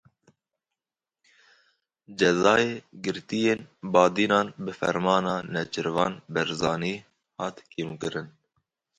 Cezayê girtiyên Badînan bi fermana Nêçîrvan Barzanî hat kêmkirin.